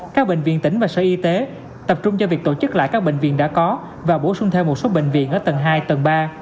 các bệnh viện tỉnh và sở y tế tập trung cho việc tổ chức lại các bệnh viện đã có và bổ sung thêm một số bệnh viện ở tầng hai tầng ba